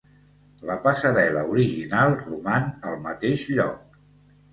La passarel·la original roman al mateix lloc.